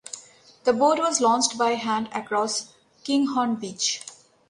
The boat was launched by hand across Kinghorn beach.